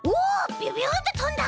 ビュビュンってとんだ！